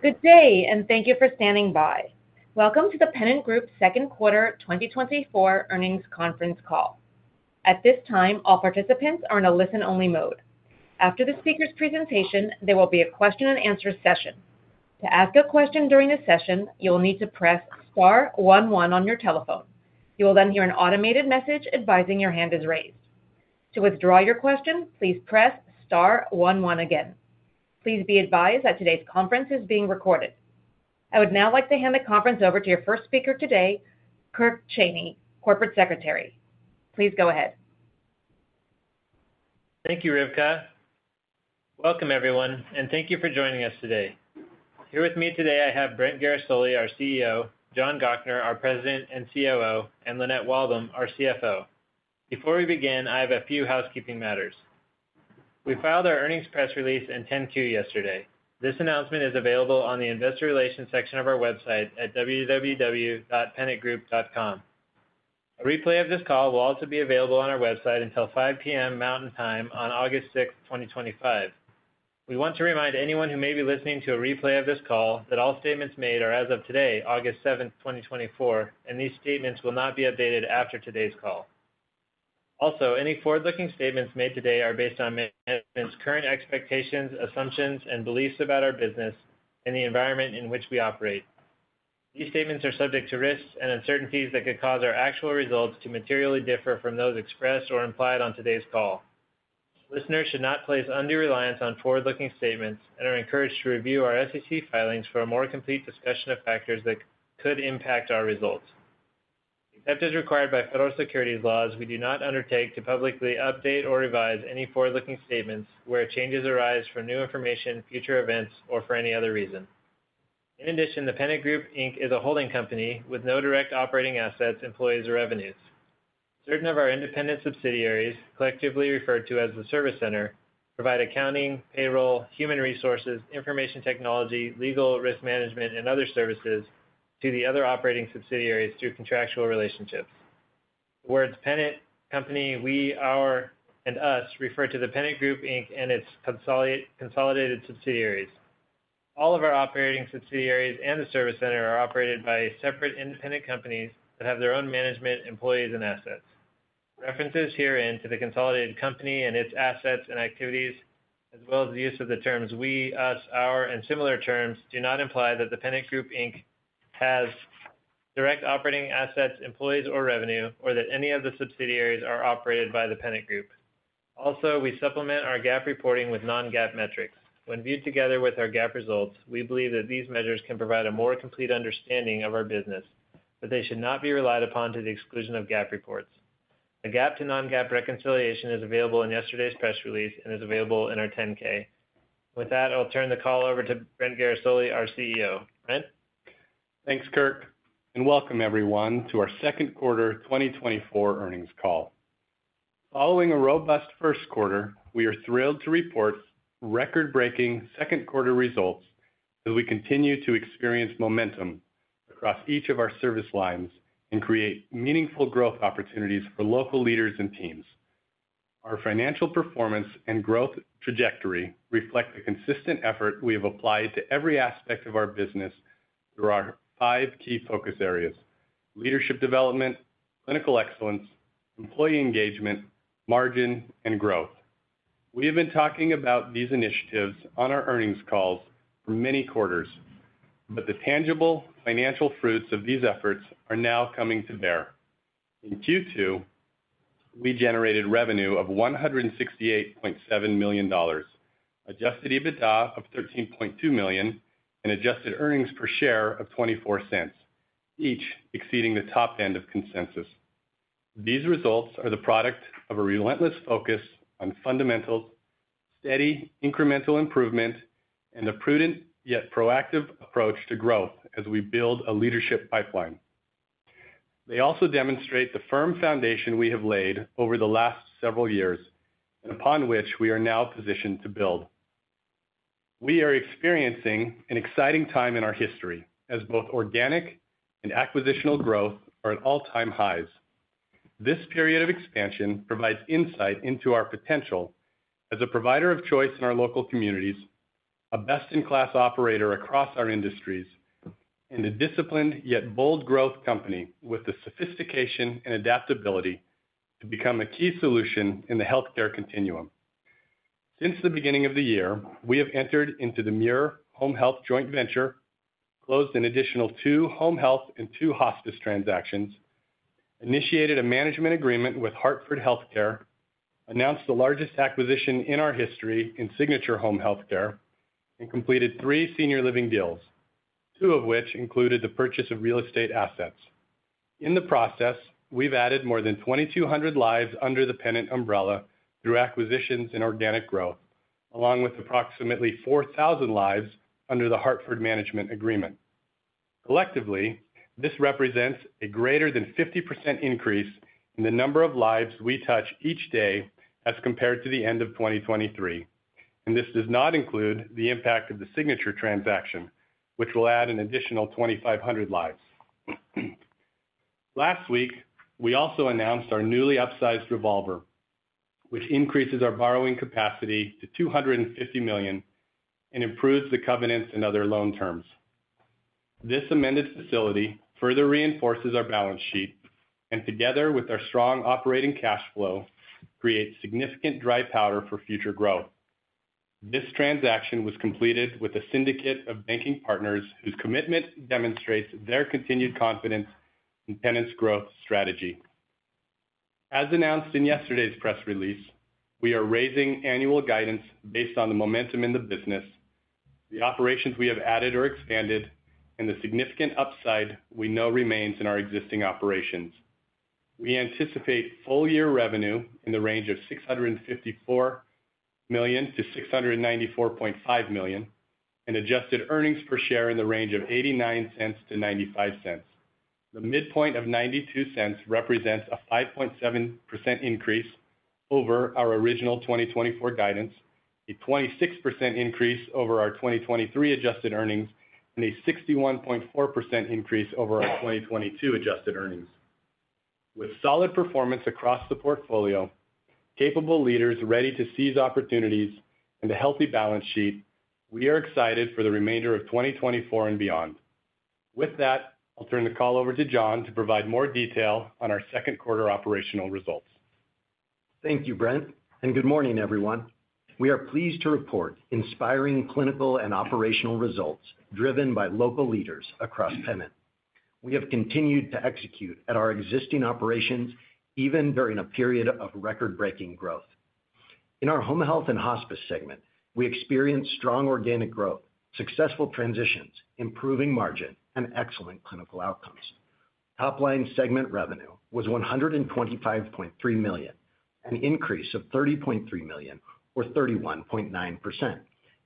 Good day, and thank you for standing by. Welcome to the Pennant Group second quarter 2024 earnings conference call. At this time, all participants are in a listen-only mode. After the speaker's presentation, there will be a question-and-answer session. To ask a question during the session, you'll need to press star one one on your telephone. You will then hear an automated message advising your hand is raised. To withdraw your question, please press star one one again. Please be advised that today's conference is being recorded. I would now like to hand the conference over to your first speaker today, Kirk Cheney, Corporate Secretary. Please go ahead. Thank you, Rivka. Welcome, everyone, and thank you for joining us today. Here with me today, I have Brent Guerisoli, our CEO, John Gochnour, our President and COO, and Lynette Walbom, our CFO. Before we begin, I have a few housekeeping matters. We filed our earnings press release in 10-Q yesterday. This announcement is available on the investor relations section of our website at www.pennantgroup.com. A replay of this call will also be available on our website until 5:00 P.M. Mountain Time on August 6th, 2025. We want to remind anyone who may be listening to a replay of this call that all statements made are as of today, August 7th, 2024, and these statements will not be updated after today's call. Also, any forward-looking statements made today are based on management's current expectations, assumptions, and beliefs about our business and the environment in which we operate. These statements are subject to risks and uncertainties that could cause our actual results to materially differ from those expressed or implied on today's call. Listeners should not place undue reliance on forward-looking statements and are encouraged to review our SEC filings for a more complete discussion of factors that could impact our results. Except as required by federal securities laws, we do not undertake to publicly update or revise any forward-looking statements where changes arise from new information, future events, or for any other reason. In addition, The Pennant Group, Inc., is a holding company with no direct operating assets, employees, or revenues. Certain of our independent subsidiaries, collectively referred to as the Service Center, provide accounting, payroll, human resources, information technology, legal, risk management, and other services to the other operating subsidiaries through contractual relationships. Words Pennant, company, we, our, and us refer to The Pennant Group, Inc., and its consolidated subsidiaries. All of our operating subsidiaries and the Service Center are operated by separate independent companies that have their own management, employees, and assets. References herein to the consolidated company and its assets and activities, as well as the use of the terms we, us, our, and similar terms, do not imply that The Pennant Group, Inc., has direct operating assets, employees, or revenue, or that any of the subsidiaries are operated by The Pennant Group. Also, we supplement our GAAP reporting with non-GAAP metrics. When viewed together with our GAAP results, we believe that these measures can provide a more complete understanding of our business, but they should not be relied upon to the exclusion of GAAP reports. A GAAP to non-GAAP reconciliation is available in yesterday's press release and is available in our 10-K. With that, I'll turn the call over to Brent Guerisoli, our CEO. Brent? Thanks, Kirk, and welcome everyone to our second quarter 2024 earnings call. Following a robust first quarter, we are thrilled to report record-breaking second quarter results as we continue to experience momentum across each of our service lines and create meaningful growth opportunities for local leaders and teams. Our financial performance and growth trajectory reflect the consistent effort we have applied to every aspect of our business through our five key focus areas: leadership development, clinical excellence, employee engagement, margin, and growth. We have been talking about these initiatives on our earnings calls for many quarters, but the tangible financial fruits of these efforts are now coming to bear. In Q2, we generated revenue of $168.7 million, adjusted EBITDA of $13.2 million, and adjusted earnings per share of $0.24, each exceeding the top end of consensus. These results are the product of a relentless focus on fundamentals, steady incremental improvement, and a prudent yet proactive approach to growth as we build a leadership pipeline. They also demonstrate the firm foundation we have laid over the last several years, upon which we are now positioned to build. We are experiencing an exciting time in our history, as both organic and acquisitional growth are at all-time highs. This period of expansion provides insight into our potential as a provider of choice in our local communities, a best-in-class operator across our industries, and a disciplined yet bold growth company with the sophistication and adaptability to become a key solution in the healthcare continuum. Since the beginning of the year, we have entered into the Muir Home Health joint venture, closed an additional two home health and two hospice transactions, initiated a management agreement with Hartford HealthCare, announced the largest acquisition in our history in Signature Healthcare at Home, and completed three senior living deals, two of which included the purchase of real estate assets. In the process, we've added more than 2,200 lives under the Pennant umbrella through acquisitions and organic growth, along with approximately 4,000 lives under the Hartford management agreement. Collectively, this represents a greater than 50% increase in the number of lives we touch each day as compared to the end of 2023, and this does not include the impact of the Signature transaction, which will add an additional 2,500 lives.... Last week, we also announced our newly upsized revolver, which increases our borrowing capacity to $250 million and improves the covenants and other loan terms. This amended facility further reinforces our balance sheet, and together with our strong operating cash flow, creates significant dry powder for future growth. This transaction was completed with a syndicate of banking partners, whose commitment demonstrates their continued confidence in Pennant's growth strategy. As announced in yesterday's press release, we are raising annual guidance based on the momentum in the business, the operations we have added or expanded, and the significant upside we know remains in our existing operations. We anticipate full-year revenue in the range of $654 million-$694.5 million, and adjusted earnings per share in the range of $0.89-$0.95. The midpoint of $0.92 represents a 5.7% increase over our original 2024 guidance, a 26% increase over our 2023 adjusted earnings, and a 61.4% increase over our 2022 adjusted earnings. With solid performance across the portfolio, capable leaders ready to seize opportunities, and a healthy balance sheet, we are excited for the remainder of 2024 and beyond. With that, I'll turn the call over to John to provide more detail on our second quarter operational results. Thank you, Brent, and good morning, everyone. We are pleased to report inspiring clinical and operational results, driven by local leaders across Pennant. We have continued to execute at our existing operations, even during a period of record-breaking growth. In our home health and hospice segment, we experienced strong organic growth, successful transitions, improving margin, and excellent clinical outcomes. Top-line segment revenue was $125.3 million, an increase of $30.3 million, or 31.9%.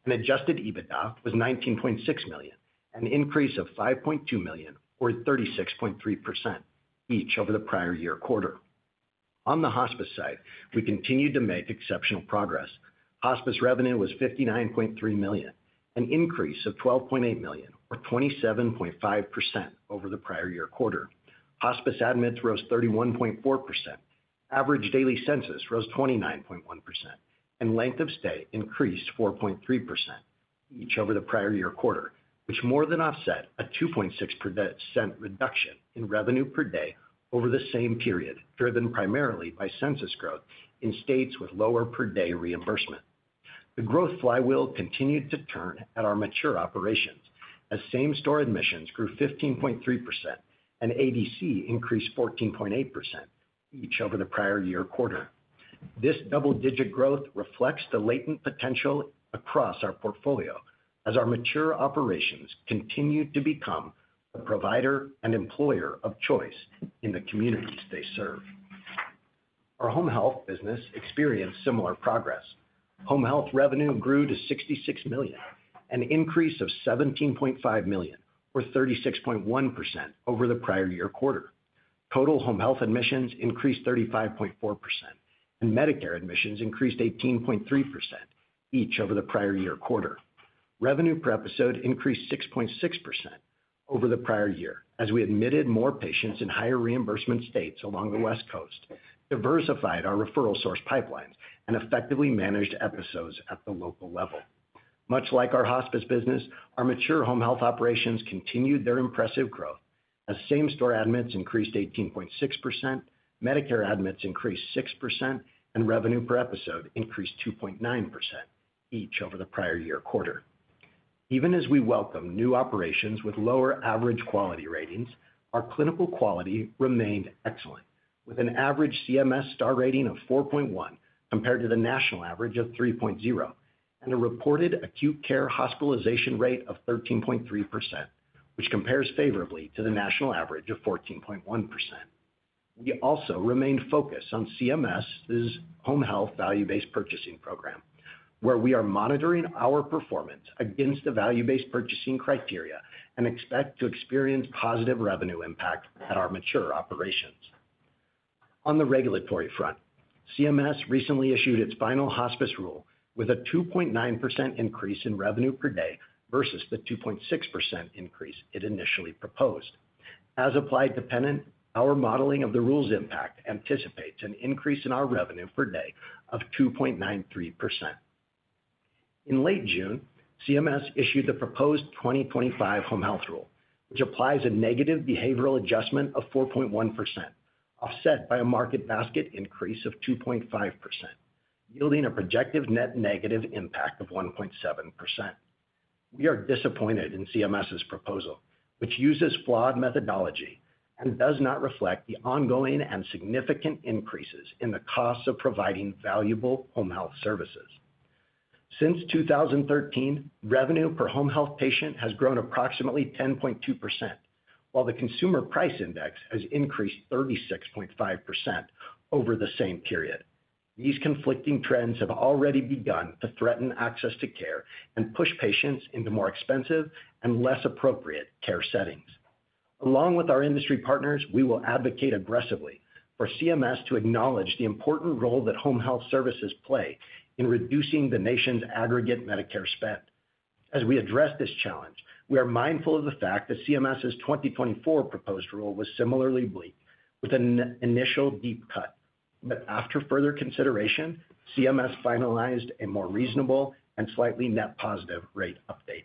Adjusted EBITDA was $19.6 million, an increase of $5.2 million, or 36.3%, each over the prior-year quarter. On the hospice side, we continued to make exceptional progress. Hospice revenue was $59.3 million, an increase of $12.8 million, or 27.5%, over the prior-year quarter. Hospice admits rose 31.4%. Average daily census rose 29.1%, and length of stay increased 4.3%, each over the prior-year quarter, which more than offset a 2.6% reduction in revenue per day over the same period, driven primarily by census growth in states with lower per-day reimbursement. The growth flywheel continued to turn at our mature operations, as same-store admissions grew 15.3%, and ADC increased 14.8%, each over the prior-year quarter. This double-digit growth reflects the latent potential across our portfolio, as our mature operations continue to become a provider and employer of choice in the communities they serve. Our home health business experienced similar progress. Home health revenue grew to $66 million, an increase of $17.5 million, or 36.1%, over the prior-year quarter. Total home health admissions increased 35.4%, and Medicare admissions increased 18.3%, each over the prior-year quarter. Revenue per episode increased 6.6% over the prior-year, as we admitted more patients in higher reimbursement states along the West Coast, diversified our referral source pipelines, and effectively managed episodes at the local level. Much like our hospice business, our mature home health operations continued their impressive growth, as same-store admits increased 18.6%, Medicare admits increased 6%, and revenue per episode increased 2.9%, each over the prior-year quarter. Even as we welcome new operations with lower average quality ratings, our clinical quality remained excellent, with an average CMS star rating of 4.1, compared to the national average of 3.0, and a reported acute care hospitalization rate of 13.3%, which compares favorably to the national average of 14.1%. We also remained focused on CMS's Home Health Value-Based Purchasing Program, where we are monitoring our performance against the value-based purchasing criteria and expect to experience positive revenue impact at our mature operations. On the regulatory front, CMS recently issued its final hospice rule with a 2.9% increase in revenue per day versus the 2.6% increase it initially proposed. As applied to Pennant, our modeling of the rule's impact anticipates an increase in our revenue per day of 2.93%. In late June, CMS issued the proposed 2025 home health rule, which applies a negative behavioral adjustment of 4.1%, offset by a market basket increase of 2.5%, yielding a projected net negative impact of 1.7%. We are disappointed in CMS's proposal, which uses flawed methodology and does not reflect the ongoing and significant increases in the cost of providing valuable home health services. Since 2013, revenue per home health patient has grown approximately 10.2%, while the Consumer Price Index has increased 36.5% over the same period. These conflicting trends have already begun to threaten access to care and push patients into more expensive and less appropriate care settings. Along with our industry partners, we will advocate aggressively for CMS to acknowledge the important role that home health services play in reducing the nation's aggregate Medicare spend. As we address this challenge, we are mindful of the fact that CMS's 2024 proposed rule was similarly bleak, with an initial deep cut. But after further consideration, CMS finalized a more reasonable and slightly net positive rate update.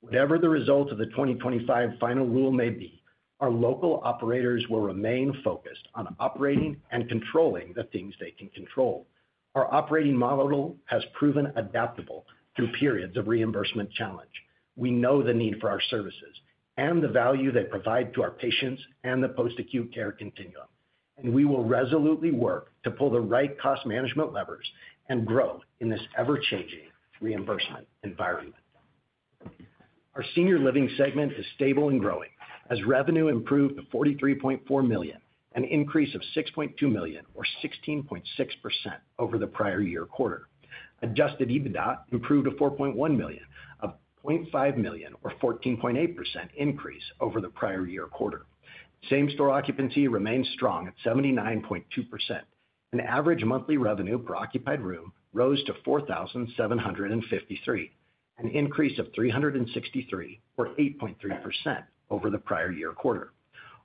Whatever the result of the 2025 final rule may be, our local operators will remain focused on operating and controlling the things they can control. Our operating model has proven adaptable through periods of reimbursement challenge. We know the need for our services and the value they provide to our patients and the post-acute care continuum, and we will resolutely work to pull the right cost management levers and grow in this ever-changing reimbursement environment. Our senior living segment is stable and growing, as revenue improved to $43.4 million, an increase of $6.2 million, or 16.6%, over the prior-year quarter. Adjusted EBITDA improved to $4.1 million, a $0.5 million, or 14.8% increase over the prior-year quarter. Same-store occupancy remains strong at 79.2%, and average monthly revenue per occupied room rose to $4,753, an increase of $363, or 8.3%, over the prior-year quarter.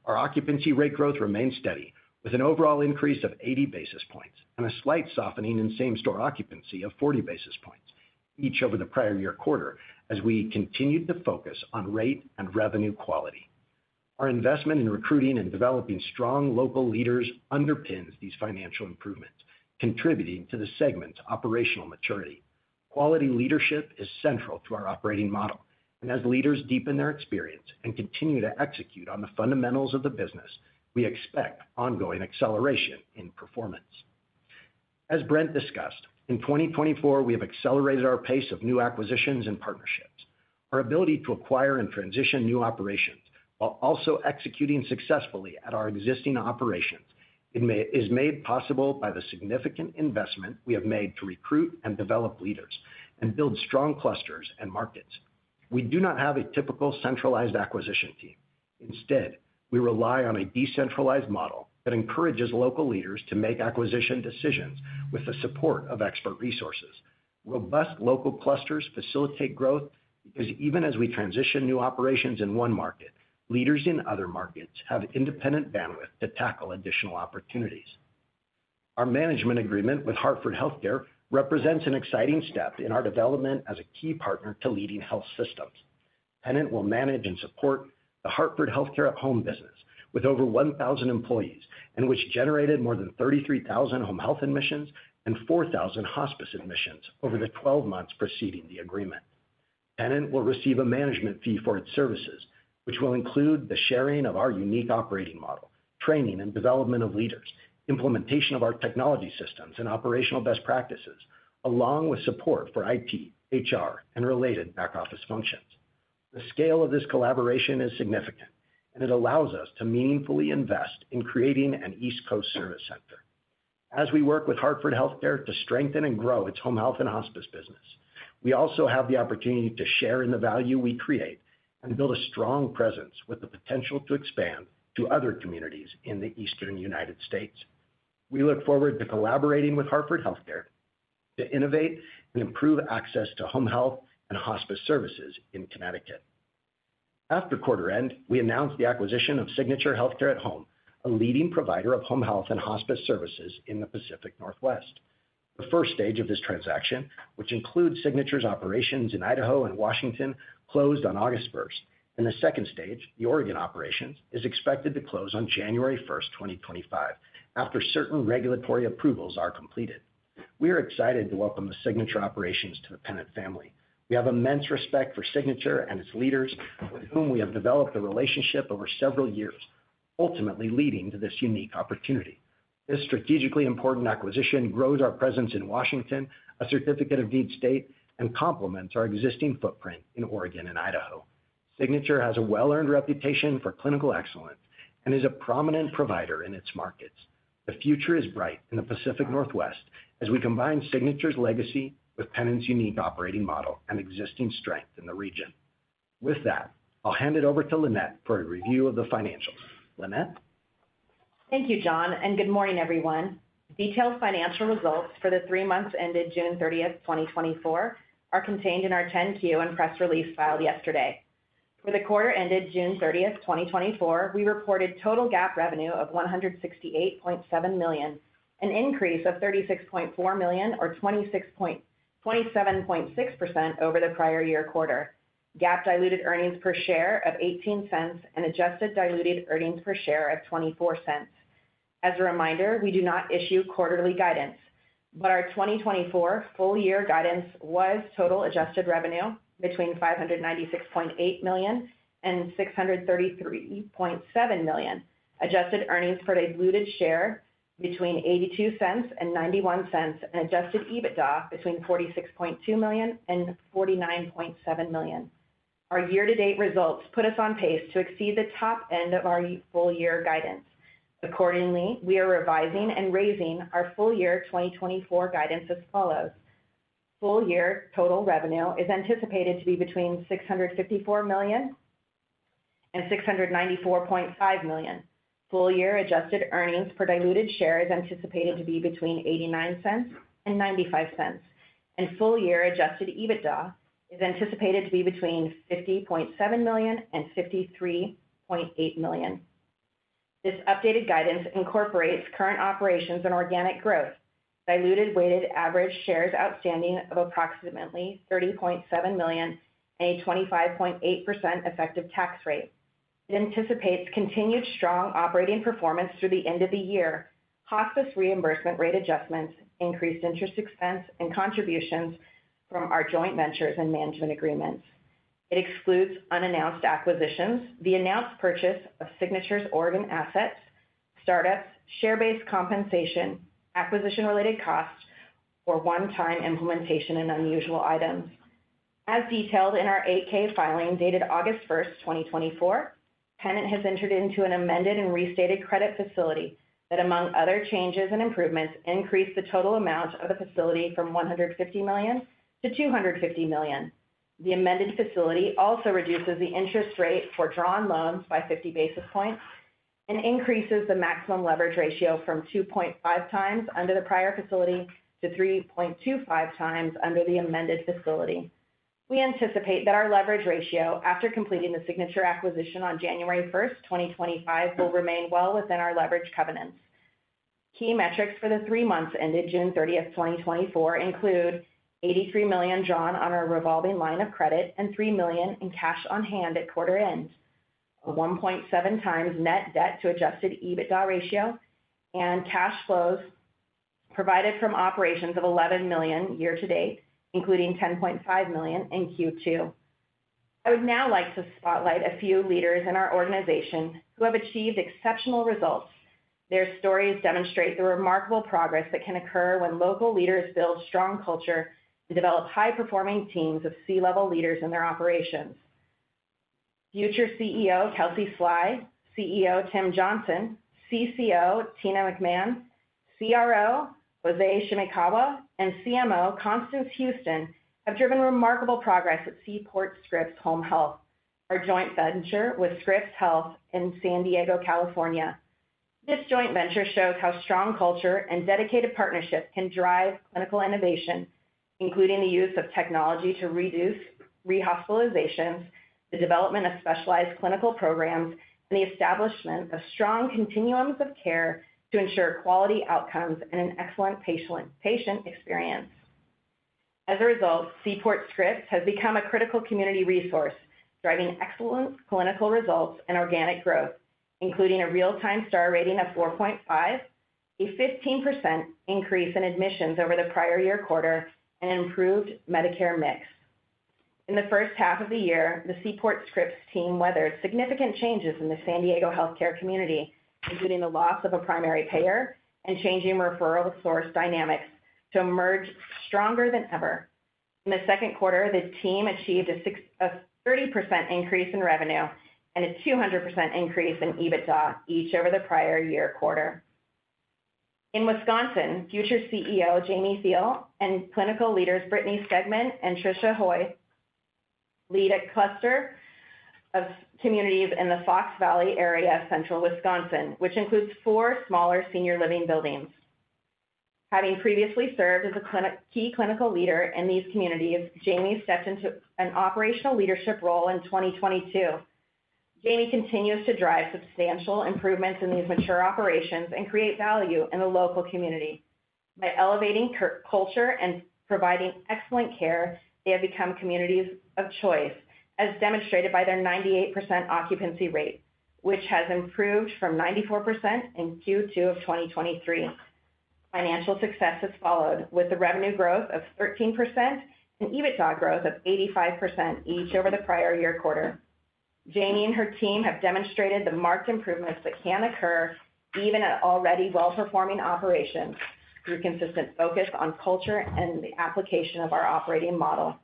Our occupancy rate growth remains steady, with an overall increase of 80 basis points and a slight softening in same-store occupancy of 40 basis points, each over the prior-year quarter, as we continued to focus on rate and revenue quality. Our investment in recruiting and developing strong local leaders underpins these financial improvements, contributing to the segment's operational maturity. Quality leadership is central to our operating model, and as leaders deepen their experience and continue to execute on the fundamentals of the business, we expect ongoing acceleration in performance. As Brent discussed, in 2024, we have accelerated our pace of new acquisitions and partnerships. Our ability to acquire and transition new operations while also executing successfully at our existing operations is made possible by the significant investment we have made to recruit and develop leaders and build strong clusters and markets. We do not have a typical centralized acquisition team. Instead, we rely on a decentralized model that encourages local leaders to make acquisition decisions with the support of expert resources. Robust local clusters facilitate growth because even as we transition new operations in one market, leaders in other markets have independent bandwidth to tackle additional opportunities. Our management agreement with Hartford HealthCare represents an exciting step in our development as a key partner to leading health systems. Pennant will manage and support the Hartford HealthCare at Home business, with over 1,000 employees, and which generated more than 33,000 home health admissions and 4,000 hospice admissions over the 12 months preceding the agreement. Pennant will receive a management fee for its services, which will include the sharing of our unique operating model, training and development of leaders, implementation of our technology systems and operational best practices, along with support for IT, HR, and related back-office functions. The scale of this collaboration is significant, and it allows us to meaningfully invest in creating an East Coast Service Center. As we work with Hartford HealthCare to strengthen and grow its home health and hospice business, we also have the opportunity to share in the value we create and build a strong presence with the potential to expand to other communities in the Eastern United States. We look forward to collaborating with Hartford HealthCare to innovate and improve access to home health and hospice services in Connecticut. After quarter end, we announced the acquisition of Signature Healthcare at Home, a leading provider of home health and hospice services in the Pacific Northwest. The first stage of this transaction, which includes Signature's operations in Idaho and Washington, closed on August first, and the second stage, the Oregon operations, is expected to close on January 1st, 2025, after certain regulatory approvals are completed. We are excited to welcome the Signature operations to the Pennant family. We have immense respect for Signature and its leaders, with whom we have developed a relationship over several years, ultimately leading to this unique opportunity. This strategically important acquisition grows our presence in Washington, a Certificate of Need state, and complements our existing footprint in Oregon and Idaho. Signature has a well-earned reputation for clinical excellence and is a prominent provider in its markets. The future is bright in the Pacific Northwest as we combine Signature's legacy with Pennant's unique operating model and existing strength in the region. With that, I'll hand it over to Lynette for a review of the financials. Lynette? Thank you, John, and good morning, everyone. Detailed financial results for the three months ended June 30, 2024, are contained in our 10-Q and press release filed yesterday. For the quarter ended June 30, 2024, we reported total GAAP revenue of $168.7 million, an increase of $36.4 million, or 27.6% over the prior-year quarter. GAAP diluted earnings per share of $0.18 and adjusted diluted earnings per share of $0.24. As a reminder, we do not issue quarterly guidance, but our 2024 full-year guidance was total adjusted revenue between $596.8 million and $633.7 million. Adjusted earnings per diluted share between $0.82 and $0.91, and adjusted EBITDA between $46.2 million and $49.7 million. Our year-to-date results put us on pace to exceed the top end of our full-year guidance. Accordingly, we are revising and raising our full-year 2024 guidance as follows: Full-year total revenue is anticipated to be between $654 million and $694.5 million. Full-year adjusted earnings per diluted share is anticipated to be between $0.89 and $0.95, and full-year adjusted EBITDA is anticipated to be between $50.7 million and $53.8 million. This updated guidance incorporates current operations and organic growth, diluted weighted average shares outstanding of approximately 30.7 million, and a 25.8% effective tax rate. It anticipates continued strong operating performance through the end of the year, hospice reimbursement rate adjustments, increased interest expense, and contributions from our joint ventures and management agreements. It excludes unannounced acquisitions, the announced purchase of Signature's Oregon assets, startups, share-based compensation, acquisition-related costs, or one-time implementation and unusual items. As detailed in our 8-K filing, dated August 1, 2024, Pennant has entered into an amended and restated credit facility that, among other changes and improvements, increased the total amount of the facility from $150 million-$250 million. The amended facility also reduces the interest rate for drawn loans by 50 basis points and increases the maximum leverage ratio from 2.5 times under the prior facility to 3.25 times under the amended facility. We anticipate that our leverage ratio, after completing the Signature acquisition on January 1, 2025, will remain well within our leverage covenants. Key metrics for the three months ended June 30, 2024, include $83 million drawn on our revolving line of credit and $3 million in cash on hand at quarter end, a 1.7 times net debt to adjusted EBITDA ratio, and cash flows provided from operations of $11 million year-to-date, including $10.5 million in Q2. I would now like to spotlight a few leaders in our organization who have achieved exceptional results. Their stories demonstrate the remarkable progress that can occur when local leaders build strong culture and develop high-performing teams of C-level leaders in their operations. Future CEO Kelsey Fly, CEO Tim Johnson, CCO Tina McMahon, CRO Jose Shimokawa, and CMO Constance Houston have driven remarkable progress at Seaport Scripps Home Health, our joint venture with Scripps Health in San Diego, California. This joint venture shows how strong culture and dedicated partnership can drive clinical innovation, including the use of technology to reduce rehospitalizations, the development of specialized clinical programs, and the establishment of strong continuums of care to ensure quality outcomes and an excellent patient, patient experience. As a result, Seaport Scripps has become a critical community resource, driving excellent clinical results and organic growth, including a real-time Star Rating of four point five, a 15% increase in admissions over the prior-year quarter, and improved Medicare mix. In the first half of the year, the Seaport Scripps team weathered significant changes in the San Diego healthcare community, including the loss of a primary payer and changing referral source dynamics, to emerge stronger than ever. In the second quarter, the team achieved a 30% increase in revenue and a 200% increase in EBITDA, each over the prior-year quarter. In Wisconsin, future CEO Jamie Thiel and clinical leaders Brittany Stegman and Tricia Hoy lead a cluster of communities in the Fox Valley area of central Wisconsin, which includes four smaller senior living buildings. Having previously served as a key clinical leader in these communities, Jamie stepped into an operational leadership role in 2022. Jamie continues to drive substantial improvements in these mature operations and create value in the local community. By elevating culture and providing excellent care, they have become communities of choice, as demonstrated by their 98% occupancy rate, which has improved from 94% in Q2 of 2023. Financial success has followed, with the revenue growth of 13% and EBITDA growth of 85%, each over the prior-year quarter. Jamie and her team have demonstrated the marked improvements that can occur even at already well-performing operations, through consistent focus on culture and the application of our operating model.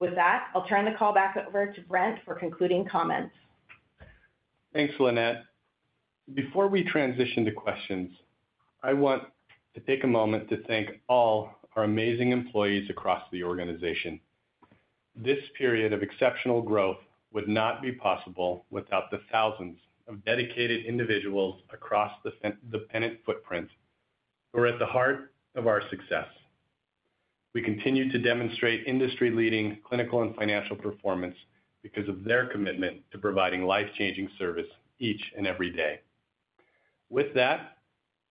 With that, I'll turn the call back over to Brent for concluding comments. Thanks, Lynette. Before we transition to questions, I want to take a moment to thank all our amazing employees across the organization. This period of exceptional growth would not be possible without the thousands of dedicated individuals across the Pennant footprint, who are at the heart of our success. We continue to demonstrate industry-leading clinical and financial performance because of their commitment to providing life-changing service each and every day. With that,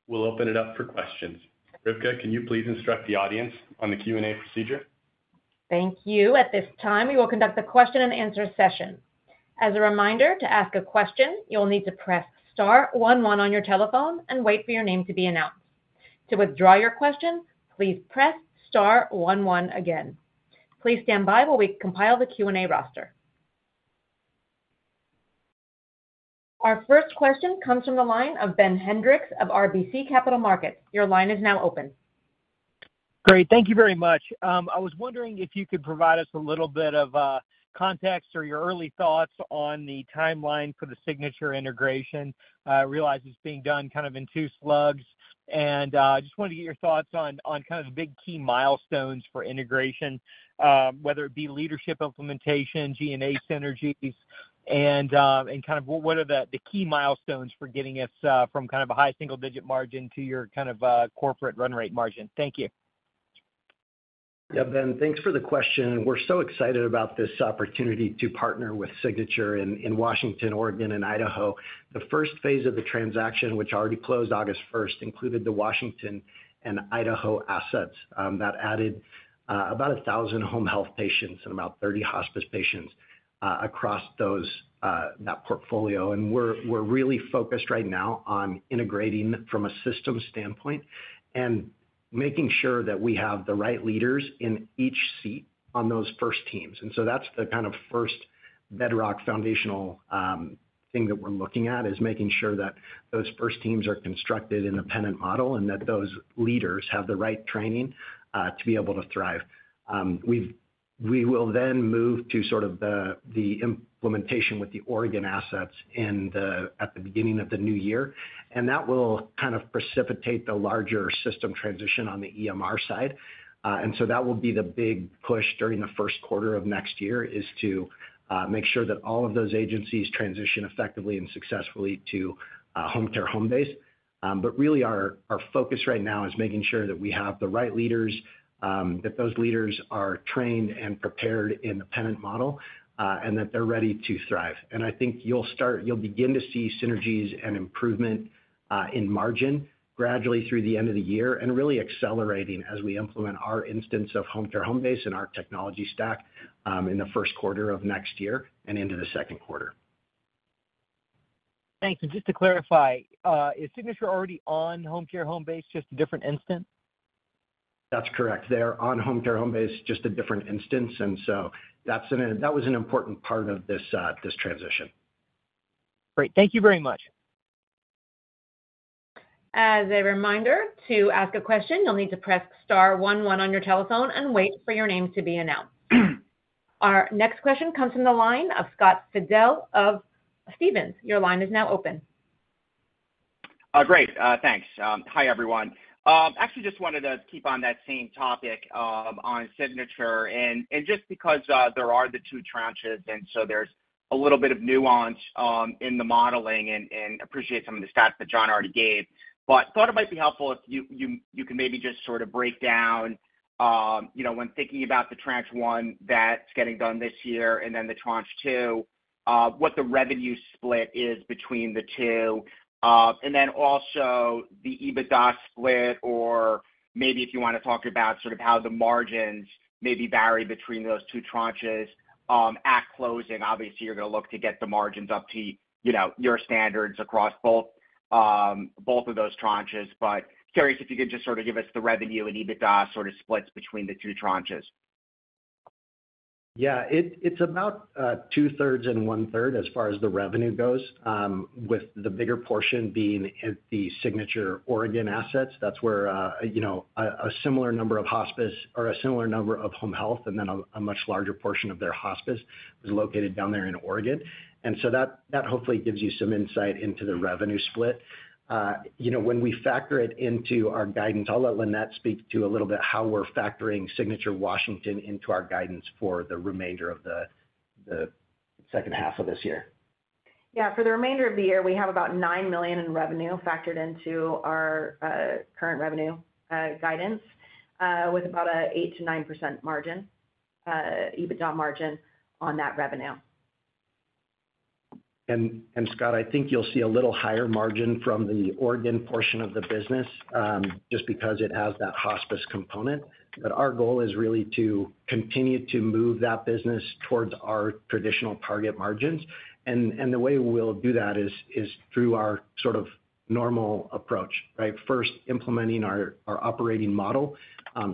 we'll open it up for questions. Rivka, can you please instruct the audience on the Q&A procedure? Thank you. At this time, we will conduct a question-and-answer session. As a reminder, to ask a question, you will need to press star one one on your telephone and wait for your name to be announced. To withdraw your question, please press star one one again. Please stand by while we compile the Q&A roster. Our first question comes from the line of Ben Hendrix of RBC Capital Markets. Your line is now open.... Great. Thank you very much. I was wondering if you could provide us a little bit of context or your early thoughts on the timeline for the Signature integration. I realize it's being done kind of in two phases, and I just wanted to get your thoughts on kind of the big key milestones for integration, whether it be leadership implementation, G&A synergies, and kind of what are the key milestones for getting us from kind of a high single-digit margin to your kind of corporate run rate margin? Thank you. Yeah, Ben, thanks for the question. We're so excited about this opportunity to partner with Signature in Washington, Oregon, and Idaho. The first phase of the transaction, which already closed August 1st, included the Washington and Idaho assets that added about 1,000 home health patients and about 30 hospice patients across those, that portfolio. And we're really focused right now on integrating from a system standpoint and making sure that we have the right leaders in each seat on those first teams. And so that's the kind of first bedrock foundational thing that we're looking at, is making sure that those first teams are constructed in a Pennant model, and that those leaders have the right training to be able to thrive. We will then move to sort of the implementation with the Oregon assets at the beginning of the new year, and that will kind of precipitate the larger system transition on the EMR side. And so that will be the big push during the first quarter of next year, is to make sure that all of those agencies transition effectively and successfully to Homecare Homebase. But really our focus right now is making sure that we have the right leaders, that those leaders are trained and prepared in the Pennant model, and that they're ready to thrive. And I think you'll begin to see synergies and improvement in margin gradually through the end of the year, and really accelerating as we implement our instance of Homecare Homebase and our technology stack in the first quarter of next year and into the second quarter. Thanks. Just to clarify, is Signature already on Homecare Homebase, just a different instance? That's correct. They are on Homecare Homebase, just a different instance. And so that's an, that was an important part of this, this transition. Great. Thank you very much. As a reminder, to ask a question, you'll need to press star one one on your telephone and wait for your name to be announced. Our next question comes from the line of Scott Fidel of Stephens. Your line is now open. Great. Thanks. Hi, everyone. Actually just wanted to keep on that same topic, on Signature, and just because there are the two tranches, and so there's a little bit of nuance in the modeling and appreciate some of the stats that John already gave. But thought it might be helpful if you can maybe just sort of break down, you know, when thinking about the tranche one that's getting done this year and then the tranche two, what the revenue split is between the two. And then also the EBITDA split, or maybe if you want to talk about sort of how the margins maybe vary between those two tranches, at closing. Obviously, you're going to look to get the margins up to, you know, your standards across both, both of those tranches. Curious if you could just sort of give us the revenue and EBITDA sort of splits between the two tranches? Yeah, it's about 2/3 and 1/3 as far as the revenue goes, with the bigger portion being at the Signature Oregon assets. That's where, you know, a similar number of hospice or a similar number of home health, and then a much larger portion of their hospice is located down there in Oregon. And so that hopefully gives you some insight into the revenue split. You know, when we factor it into our guidance, I'll let Lynette speak to a little bit how we're factoring Signature Washington into our guidance for the remainder of the second half of this year. Yeah, for the remainder of the year, we have about $9 million in revenue factored into our current revenue guidance, with about an 8%-9% EBITDA margin on that revenue. And, Scott, I think you'll see a little higher margin from the Oregon portion of the business, just because it has that hospice component. But our goal is really to continue to move that business towards our traditional target margins. And the way we'll do that is through our sort of normal approach, right? First, implementing our operating model,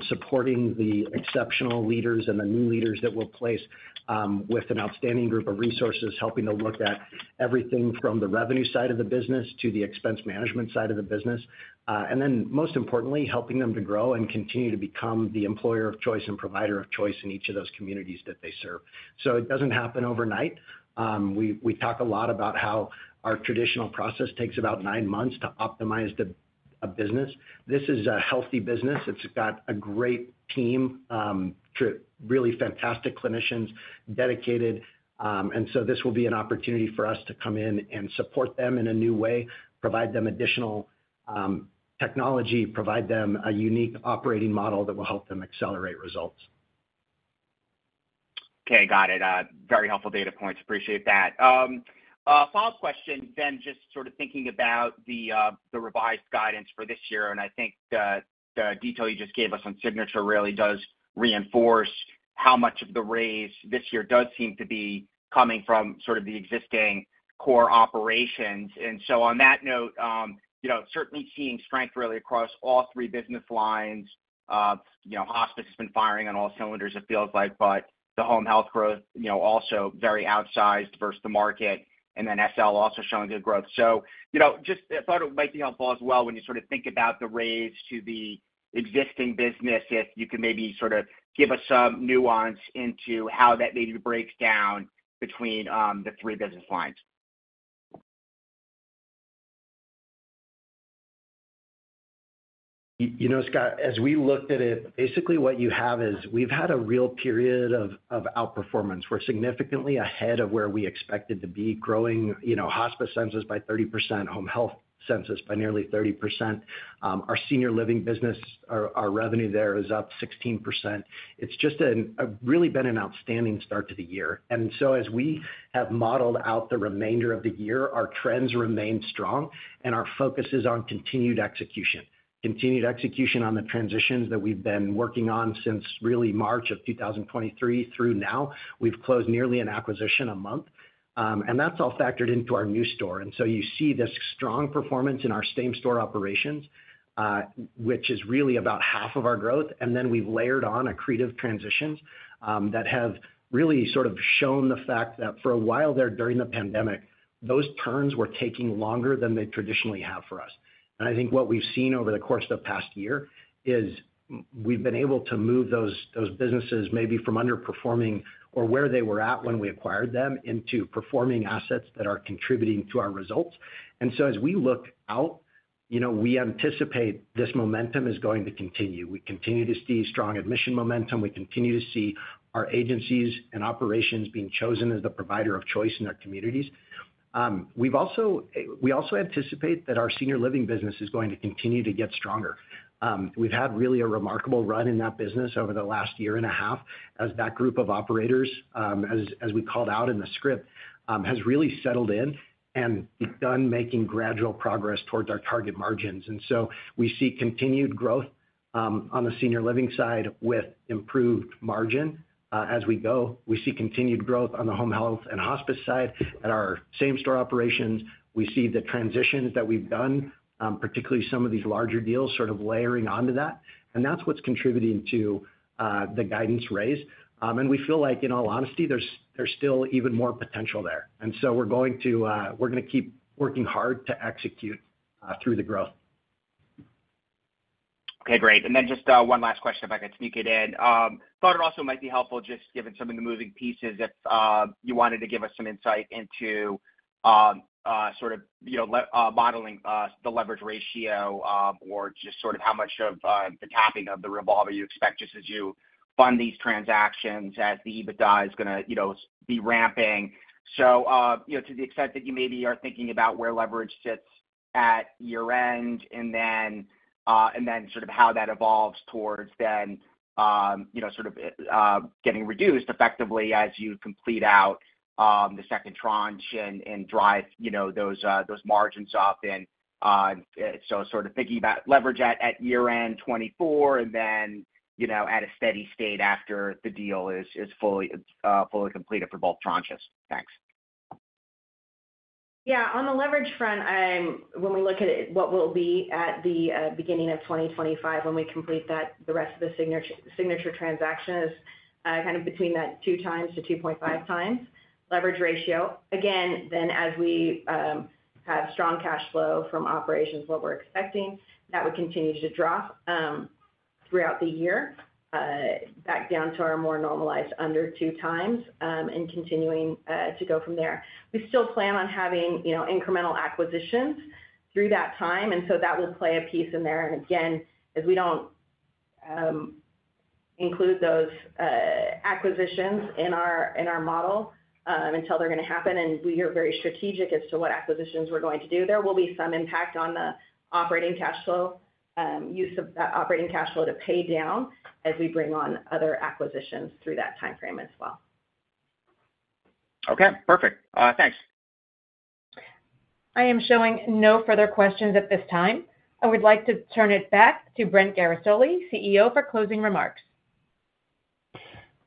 supporting the exceptional leaders and the new leaders that we'll place with an outstanding group of resources, helping to look at everything from the revenue side of the business to the expense management side of the business. And then, most importantly, helping them to grow and continue to become the employer of choice and provider of choice in each of those communities that they serve. So it doesn't happen overnight. We talk a lot about how our traditional process takes about nine months to optimize a business. This is a healthy business. It's got a great team, really fantastic clinicians, dedicated. And so this will be an opportunity for us to come in and support them in a new way, provide them additional technology, provide them a unique operating model that will help them accelerate results. Okay, got it. Very helpful data points. Appreciate that. A follow-up question then, just sort of thinking about the revised guidance for this year, and I think the detail you just gave us on Signature really does reinforce how much of the raise this year does seem to be coming from sort of the existing core operations. And so on that note, you know, certainly seeing strength really across all three business lines. You know, hospice has been firing on all cylinders, it feels like, but the home health growth, you know, also very outsized versus the market, and then SL also showing good growth. So, you know, just thought it might be helpful as well when you sort of think about the raise to the existing business, if you could maybe sort of give us some nuance into how that maybe breaks down between the three business lines.... You know, Scott, as we looked at it, basically what you have is, we've had a real period of outperformance. We're significantly ahead of where we expected to be growing, you know, hospice census by 30%, home health census by nearly 30%. Our senior living business, our revenue there is up 16%. It's just really been an outstanding start to the year. And so as we have modeled out the remainder of the year, our trends remain strong and our focus is on continued execution. Continued execution on the transitions that we've been working on since really March of 2023 through now. We've closed nearly an acquisition a month, and that's all factored into our new store. And so you see this strong performance in our same store operations, which is really about half of our growth. And then we've layered on accretive transitions, that have really sort of shown the fact that for a while there, during the pandemic, those turns were taking longer than they traditionally have for us. And I think what we've seen over the course of the past year, is we've been able to move those businesses maybe from underperforming or where they were at when we acquired them, into performing assets that are contributing to our results. And so as we look out, you know, we anticipate this momentum is going to continue. We continue to see strong admission momentum. We continue to see our agencies and operations being chosen as the provider of choice in their communities. We also anticipate that our senior living business is going to continue to get stronger. We've had really a remarkable run in that business over the last year and a half, as that group of operators, as we called out in the script, has really settled in and begun making gradual progress towards our target margins. And so we see continued growth on the senior living side with improved margin. As we go, we see continued growth on the home health and hospice side. At our same store operations, we see the transitions that we've done, particularly some of these larger deals, sort of layering onto that, and that's what's contributing to the guidance raise. And we feel like, in all honesty, there's still even more potential there. We're going to, we're gonna keep working hard to execute through the growth. Okay, great. And then just, one last question, if I could sneak it in. Thought it also might be helpful, just given some of the moving pieces, if you wanted to give us some insight into, sort of, you know, modeling the leverage ratio, or just sort of how much of the tapping of the revolver you expect, just as you fund these transactions, as the EBITDA is gonna, you know, be ramping? So, you know, to the extent that you maybe are thinking about where leverage sits at year-end, and then sort of how that evolves towards then, you know, sort of getting reduced effectively as you complete out the second tranche and drive, you know, those margins up and so sort of thinking about leverage at year-end 2024, and then, you know, at a steady state after the deal is fully completed for both tranches. Thanks. Yeah. On the leverage front, when we look at it, what we'll be at the beginning of 2025 when we complete that, the rest of the Signature transaction is kind of between that 2 times-2.5 times leverage ratio. Again, then, as we have strong cash flow from operations, what we're expecting, that would continue to drop throughout the year back down to our more normalized under 2 times and continuing to go from there. We still plan on having, you know, incremental acquisitions through that time, and so that will play a piece in there. And again, as we don't include those acquisitions in our, in our model until they're gonna happen, and we are very strategic as to what acquisitions we're going to do. There will be some impact on the operating cash flow, use of that operating cash flow to pay down as we bring on other acquisitions through that timeframe as well. Okay, perfect. Thanks. I am showing no further questions at this time. I would like to turn it back to Brent Guerisoli, CEO, for closing remarks.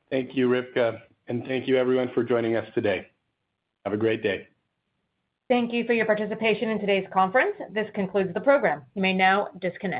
Thank you, Rivka, and thank you everyone for joining us today. Have a great day. Thank you for your participation in today's conference. This concludes the program. You may now disconnect.